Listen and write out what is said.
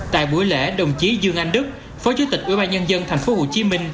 tại buổi lễ đồng chí dương anh đức phó chủ tịch ubnd tp hcm